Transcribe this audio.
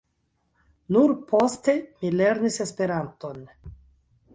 Nur poste mi lernis esperanton.